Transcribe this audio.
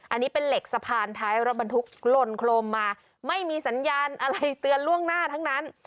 อันนี้เป็นเหล็กสะพานท้ายรถบรรทุกหล่นโครมมาไม่มีสัญญาณอะไรเตือนล่วงหน้าทั้งนั้น